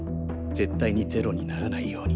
絶対に０にならないように。